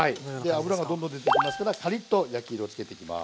で脂がどんどん出てきますからカリッと焼き色をつけていきます。